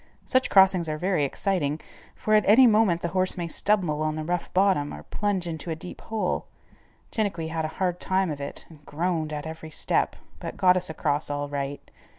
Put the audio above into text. Such crossings are very exciting, for at any moment the horse may stumble on the rough bottom or plunge into a deep hole. Chiniquy had a hard time of it and groaned at every step, but got us across all right.